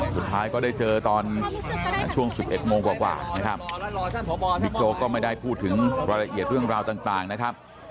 สุดท้ายตอน๑๑โมงกว่ากว่านี้บิ๊กโจ๊กก็ไม่ได้พูดถึงรายละเอียดเรื่องราวต่างนะครับ